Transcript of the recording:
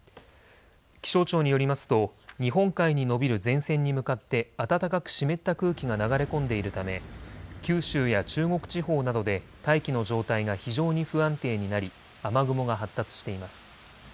気象庁によりますと日本海に延びる前線に向かって暖かく湿った空気が流れ込んでいるため九州や中国地方などで大気の状態が非常に不安定になり雨雲が発達しています。